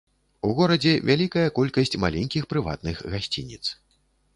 У горадзе вялікая колькасць маленькіх прыватных гасцініц.